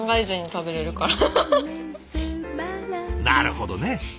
なるほどね。